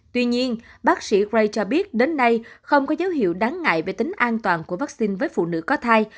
tuy nhiên bác sĩ gray cho biết đến nay không có dấu hiệu đáng ngại về tính an toàn của vaccine với phụ nữ có thai